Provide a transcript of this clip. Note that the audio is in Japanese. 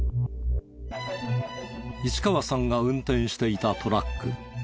市川さんが運転していたトラック。